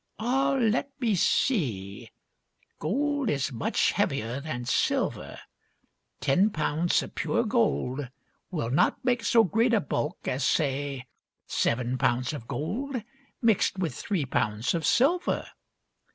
Ah, let me see ! Gold is much heavier than silver. Ten pounds of pure gold will not make so great a bulk as say seven pounds of gold mixed with three pounds of silver.